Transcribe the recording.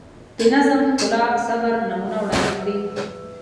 د نظم، ښکلا، صبر نمونه وړاندې کړي.